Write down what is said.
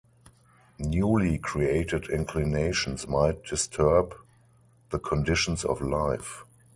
Newly created inclinations might disturb the conditions of life.